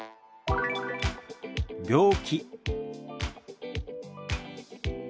「病気」。